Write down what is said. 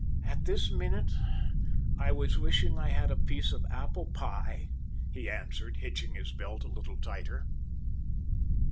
"At this minute I was wishing I had a piece of apple pie," he answered, hitching his belt a little tighter.